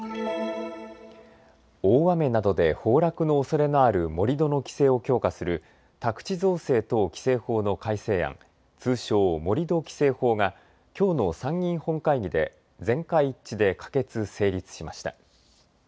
大雨などで崩落のおそれのある盛り土の規制を強化する宅地造成等規制法の改正案通称、盛土規制法がきょうの参議院本会議で全会一致で可決・成立しました。